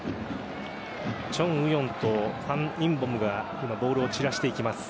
チョン・ウヨンとファン・インボムが今ボールを散らしていきます。